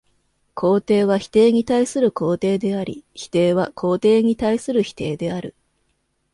肯定は否定に対する肯定であり、否定は肯定に対する否定である。